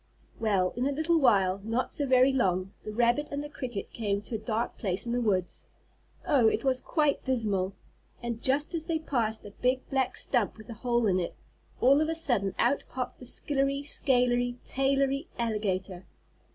Well, in a little while, not so very long, the rabbit and the cricket came to a dark place in the woods. Oh! it was quite dismal, and, just as they passed a big, black stump with a hole in it, all of a sudden out popped the skillery scalery tailery alligator.